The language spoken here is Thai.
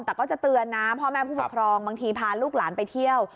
แต่ก็จะเตือนนะพ่อแม่ผู้ปกครองบางทีพาลูกหลานไปเที่ยว